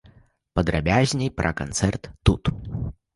Падрабязней пра канцэрт тут.